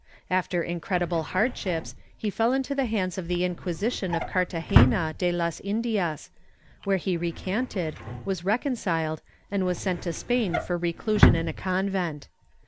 After incredible hardships he fell into the hands of the Inquisition of Cartagena de las Indias, where he recanted, was reconciled and was sent to Spain for reclusion in a convent.